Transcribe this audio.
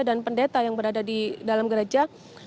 dan pendeta yang berada di dalam gereja